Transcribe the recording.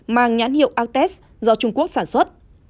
mang nhãn hiệu altes do trung quốc sản xuất